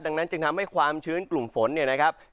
ดังนั้นจึงทำให้ความชื้นกลุ่มฝนเนี่ยนะครับ